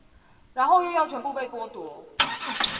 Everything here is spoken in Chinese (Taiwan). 然後又要全部被剝奪